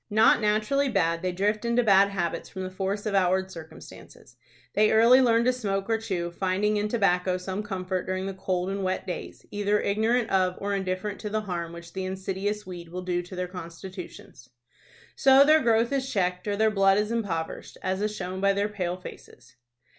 Not naturally bad, they drift into bad habits from the force of outward circumstances. They early learn to smoke or chew, finding in tobacco some comfort during the cold and wet days, either ignorant of or indifferent to the harm which the insidious weed will do to their constitutions. So their growth is checked, or their blood is impoverished, as is shown by their pale faces.